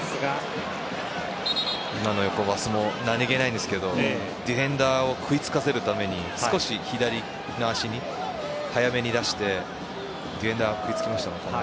今の横パスも何気ないんですがディフェンダーを食いつかせるために少し左の足に早めに出してディフェンスが食いつきましたね。